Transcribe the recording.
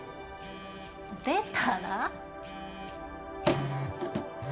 出たら？